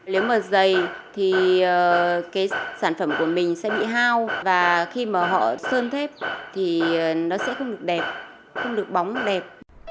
nếu mà dày thì cái sản phẩm của mình sẽ bị hao và khi mà họ sơn thép thì nó sẽ không được đẹp không được bóng đẹp